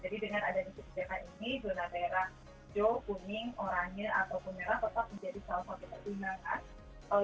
jadi dengan adanya kebijakan ini zona daerah jho kuning oranje atau kunerang tetap menjadi salah satu pertimbangan